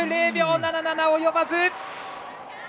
０秒７７及ばず。